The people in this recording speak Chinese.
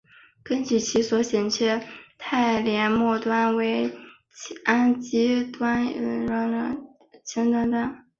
根据其所剪切肽链末端为氨基端或羧基端又可分为氨基肽酶和羧基肽酶。